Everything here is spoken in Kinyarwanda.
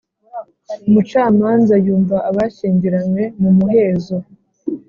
Umucamanza yumva abashyingiranywe mu muhezo